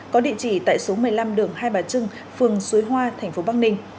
có địa chỉ tại số một mươi năm đường hai bà trưng phường suối hoa tp bắc ninh